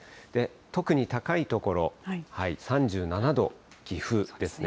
特に高い所、３７度、岐阜ですね。